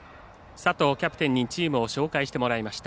佐藤キャプテンにチームを紹介してもらいました。